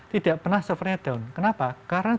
tidak pernah severnya down kenapa karena